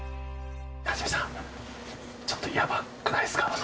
渥美さん、ちょっとやばくないですか。